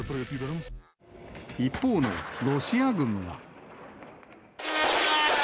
一方のロシア軍は。